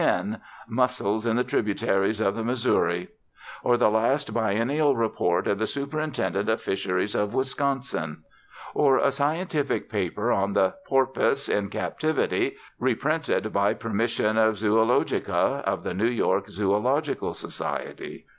10_, "Mussels in the Tributaries of the Missouri," or the last biennial report of the Superintendent of Fisheries of Wisconsin, or a scientific paper on "The Porpoise in Captivity" reprinted by permission of Zoologica, of the New York Zoological Society.